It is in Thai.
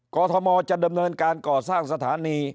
กรทมจะดำเนินการก่อสร้างสถานี